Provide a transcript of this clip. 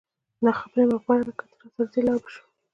دا خبره مې ور غبرګه کړه که ته راسره ځې لاړ به شو.